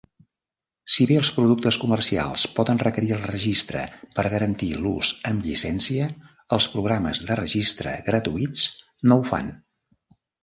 Si bé els productes comercials poden requerir el registre per garantir l'ús amb llicència, els programes de registre gratuïts no ho fan.